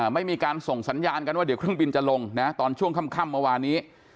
ไม่มีการส่งสัญญาณกันว่าเดี๋ยวเครื่องบินจะลงนะตอนช่วงค่ำเมื่อวานนี้